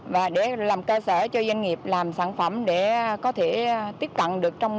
và để làm cơ sở cho doanh nghiệp làm sản phẩm để có thể tiếp cận được sản phẩm